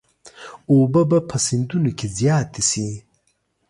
اوبه به په سیندونو کې زیاتې شي.